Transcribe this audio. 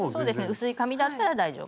薄い紙だったら大丈夫。